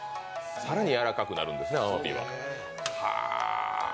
更にやわらかくなるんですね、あわびが。